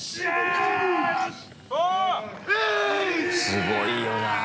すごいよなぁ